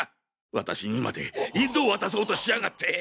私にまで引導渡そうとしやがって！